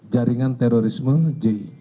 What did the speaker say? jaringan terorisme j